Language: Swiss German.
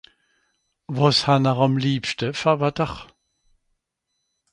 Wàs han'r àm liebschte fer Watter?